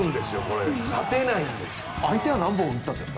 勝てないんです。